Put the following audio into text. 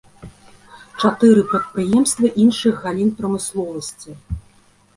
Чатыры прадпрыемствы іншых галін прамысловасці.